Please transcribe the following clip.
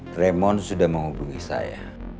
tremon sudah menghubungi saya